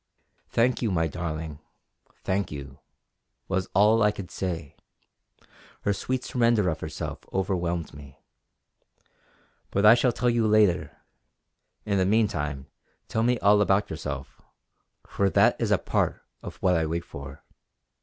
"Thank you, my darling, thank you!" was all I could say; her sweet surrender of herself overwhelmed me. "But I shall tell you later; in the meantime tell me all about yourself, for that is a part of what I wait for."